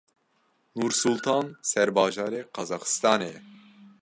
Nursultan serbajarê Qazaxistanê ye.